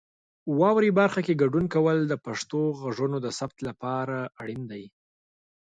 واورئ برخه کې ګډون کول د پښتو غږونو د ثبت لپاره اړین دي.